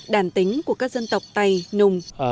đàn tính của các dân tộc tây nùng